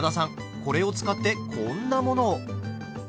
これを使ってこんなものを。